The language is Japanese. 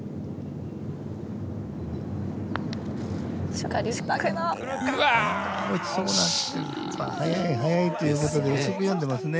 やっぱり速いということで遅く読んでますね。